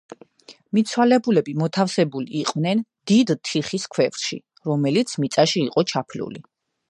მიცვალებულები მოთავსებული იყვნენ დიდ თიხის ქვევრში, რომელიც მიწაში იყო ჩაფლული.